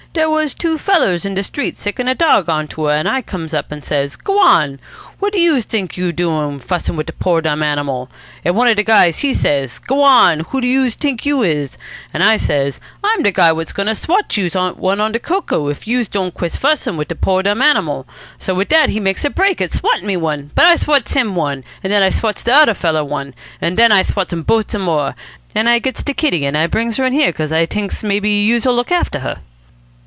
"Dere was two fellers in de street sickin' a dawg on to her. An' I comes up an' says, 'G'wan! What do youse t'ink you're doin', fussin' de poor dumb animal?' An' one of de guys, he says, 'G'wan! Who do youse t'ink youse is?' An' I says, 'I'm de guy what's goin' to swat youse one on de coco if youse don't quit fussin' de poor dumb animal.' So wit dat he makes a break at swattin' me one, but I swats him one, an' I swats de odder feller one, an' den I swats dem bote some more, an' I gets de kitty, an' I brings her in here, cos I t'inks maybe youse'll look after her."